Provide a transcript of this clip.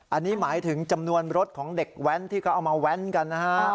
อันนี้หมายถึงจำนวนรถของเด็กแว้นที่เขาเอามาแว้นกันนะฮะ